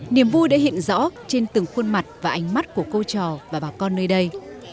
niềm vui đã hiện rõ trên từng khuôn mặt và ánh mắt của cô trò và bà con nơi đây